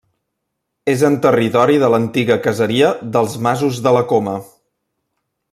És en territori de l'antiga caseria dels Masos de la Coma.